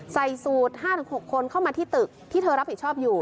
ใส่สูตร๕๖คนเข้ามาที่ตึกที่เธอรับผิดชอบอยู่